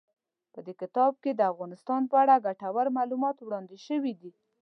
په دې کتاب کې د افغانستان په اړه ګټور معلومات وړاندې شوي دي.